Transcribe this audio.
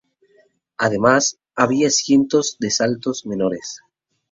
Además, había cientos de saltos menores.